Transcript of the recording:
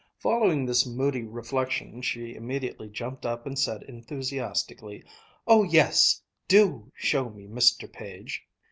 '" Following this moody reflection she immediately jumped up and said enthusiastically, "Oh yes, do show me, Mr. Page!"